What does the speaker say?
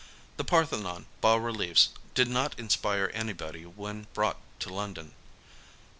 The Parthenon bas reliefs did not inspire anybody when brought to London.